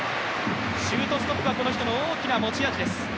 シュートストップはこの人の大きな持ち味です。